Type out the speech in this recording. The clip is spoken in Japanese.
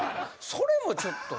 それもちょっとね。